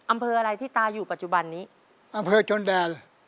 อำเภออะไรที่ตาอยู่ปัจจุบันนี้อำเภอจนแดน